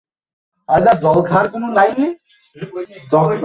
গতকাল বুধবার রাজধানীর বাজার ঘুরে পাওয়া স্মার্টফোনের দাম নিচে দেওয়া হলো।